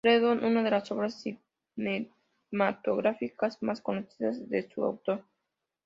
Freedom", una de las obras cinematográficas más conocidas de su autor.